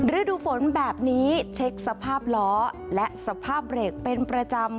ฤดูฝนแบบนี้เช็คสภาพล้อและสภาพเบรกเป็นประจำ